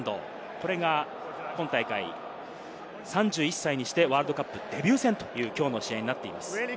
これが今大会、３１歳にしてワールドカップデビュー戦というきょうの試合になっています。